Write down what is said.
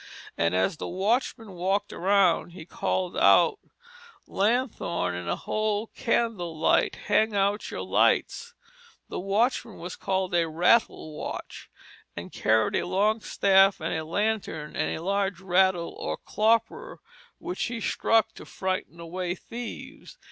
And as the watchman walked around he called out, "Lanthorn, and a whole candell light. Hang out your lights." The watchman was called a rattle watch, and carried a long staff and a lantern and a large rattle or klopper, which he struck to frighten away thieves.